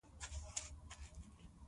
مګر امیر هغه له خپل څنګ سره کښېناوه.